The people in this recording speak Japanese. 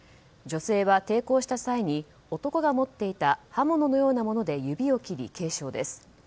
女性は抵抗した際に男が持っていた刃物のようなもので指を切り軽傷です。